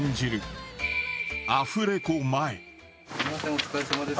お疲れさまです。